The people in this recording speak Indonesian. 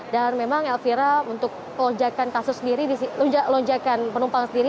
dan memang elvira untuk lonjakan penumpang sendiri